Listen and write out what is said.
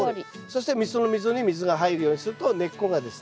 そしてその溝に水が入るようにすると根っこがですね